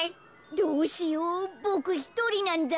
どうしようボクひとりなんだ。